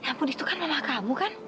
ya ampun itu kan mama kamu kan